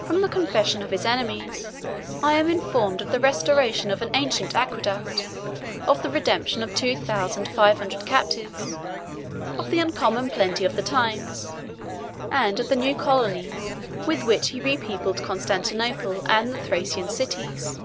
From the confession of his enemies, I am informed of the restoration of an ancient aqueduct, of the redemption of two thousand five hundred captives, of the uncommon plenty of the times, and of the new colonies with which he repeopled Constantinople and the Thracian cities.